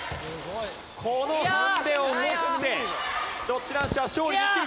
このハンデをもってドッジ男子は勝利できるか？